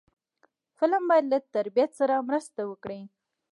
فلم باید له تربیت سره مرسته وکړي